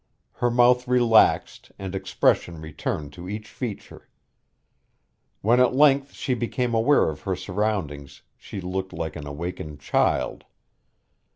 Her mouth relaxed and expression returned to each feature. When at length she became aware of her surroundings, she looked like an awakened child.